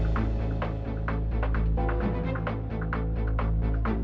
bawain tadi sama saya di sini gak